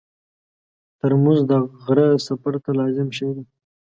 ترموز د غره سفر ته لازم شی دی.